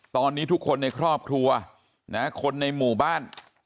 ตอนนี้ทุกคนในครอบครัวคนในหมู่บ้าน